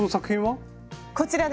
こちらです！